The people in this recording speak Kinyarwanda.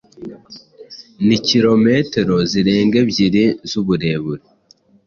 na kilometero zirenga ebyiri z’uburebure.